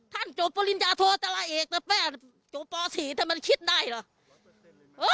ท่านโจปริญญาโทรธราเอกแต่แป้นโจปศรีทำไมคิดได้เหรอ